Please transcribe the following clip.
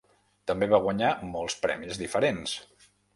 També va guanyar molts premis diferents.